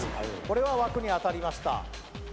これは枠に当たりました